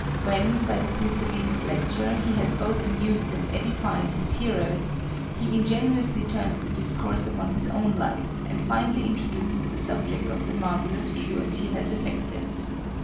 When, by this miscellaneous lecture, he has both amused and edified his hearers, he ingeniously turns the discourse upon his own life, and finally introduces the subject of the marvellous cures he has effected.